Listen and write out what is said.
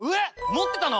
持ってたの？